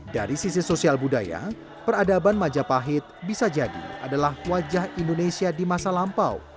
dari sisi sosial budaya peradaban majapahit bisa jadi adalah wajah indonesia di masa lampau